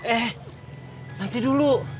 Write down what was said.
eh nanti dulu